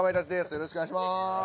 よろしくお願いします。